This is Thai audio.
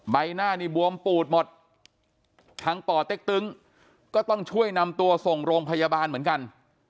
ใบหน้านี่บวมปูดหมดทางป่อเต็กตึงก็ต้องช่วยนำตัวส่งโรงพยาบาลเหมือนกัน